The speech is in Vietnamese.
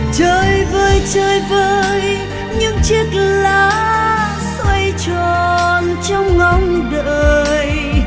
trời vơi trời vơi những chiếc lá xoay tròn trong ngóng đời